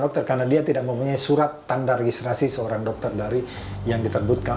dokter karena dia tidak mempunyai surat tanda registrasi seorang dokter dari yang diterbitkan